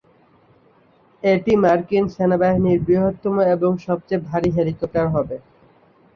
এটি মার্কিন সেনাবাহিনীর বৃহত্তম এবং সবচেয়ে ভারী হেলিকপ্টার হবে।